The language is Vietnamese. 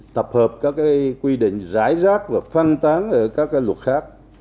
tập hợp các quy định rải rác và phân tán ở các luật khác